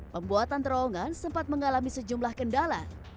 pembuatan terowongan sempat mengalami sejumlah kendala